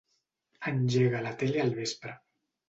Engega la tele al vespre.